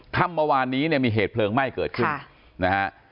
ค่ำเมื่อวานนี้มีเหตุเพลิงไหม้เกิดขึ้น